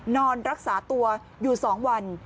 นอนรักษาตัวอยู่๒วัน